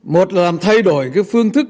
một là làm thay đổi phương thức